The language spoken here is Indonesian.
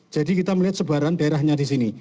jadi kita melihat sebaran daerahnya di sini